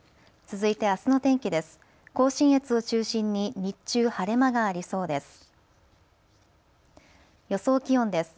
続いてあすの天気です。